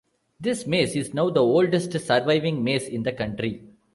This mace is now the oldest surviving mace in the country.